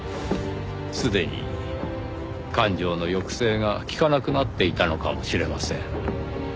すでに感情の抑制が利かなくなっていたのかもしれません。